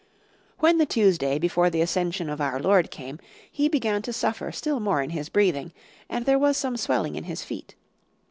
"When the Tuesday before the Ascension of our Lord came, he began to suffer still more in his breathing, and there was some swelling in his feet.